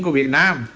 của việt nam